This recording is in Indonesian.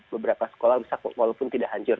beberapa sekolah rusak walaupun tidak hancur